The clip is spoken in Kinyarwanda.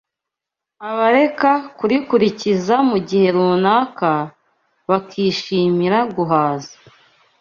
Abareka kurikurikiza mu gihe runaka, bakishimira guhaza